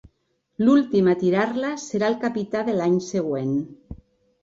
L'últim a tirar-la serà el capità de l'any següent.